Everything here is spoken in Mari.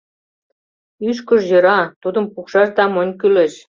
Ӱшкыж, йӧра, тудым пукшаш да монь кӱлеш.